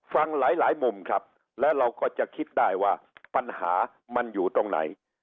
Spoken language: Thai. ฟังหลายมุมครับแล้วเราก็จะคิดได้ว่าปัญหามันอยู่ตรงไหน